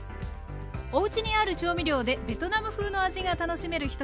おうちにある調味料でベトナム風の味が楽しめる１品。